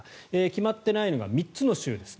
決まっていないのが３つの州です。